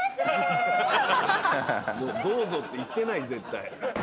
「どうぞ」って言ってない絶対。